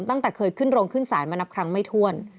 ซึ่งเคยขึ้นโรงขึ้นสารมานับครั้งไม่ท้วน